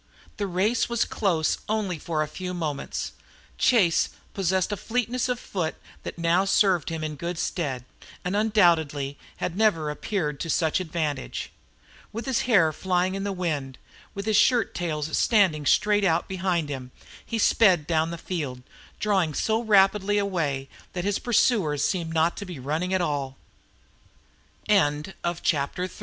The race was close only for a few moments. Chase possessed a fleetness of foot that now served him in good stead, and undoubtedly had never appeared to such advantage. With his hair flying in the wind, with his shirt tails standing straight out behind him, he sped down the field, drawing so rapidly away that his